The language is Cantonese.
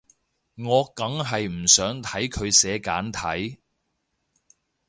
我梗係唔想睇佢寫簡體